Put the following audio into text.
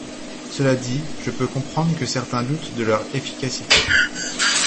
Cela dit, je peux comprendre que certains doutent de leur efficacité.